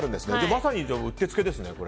まさに打ってつけですね。